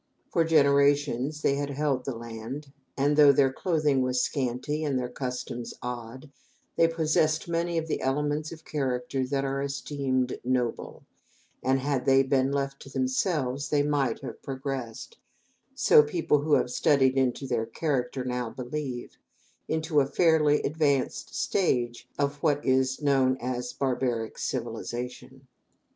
For generations they had held the land, and, though their clothing was scanty and their customs odd, they possessed many of the elements of character that are esteemed noble, and, had they been left to themselves, they might have progressed so people who have studied into their character now believe into a fairly advanced stage of what is known as barbaric civilization.